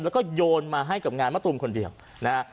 แล้วก็โยนมาให้กับงานมะตูมคนเดียวนะฮะ